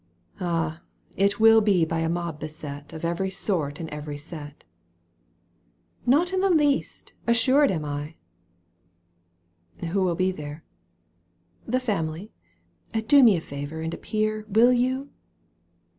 —" Ah ! It wiU be by a mob beset Of every sort and every set !"—" Not in the least, assured am I !"—« Who will be there ?"—" The family. Do me a favour and appear. Will you?"